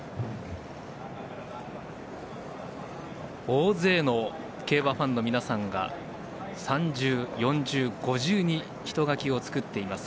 大勢の競馬ファンの皆さんが三重、四重、五重に人垣を作っています。